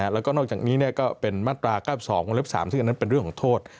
แล้วก็นอกจากนี้ก็เป็นมาตรา๙๒วงเล็บ๓ซึ่งอันนั้นเป็นเรื่องของโทษ